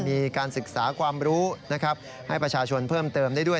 มีการศึกษาความรู้นะครับให้ประชาชนเพิ่มเติมได้ด้วย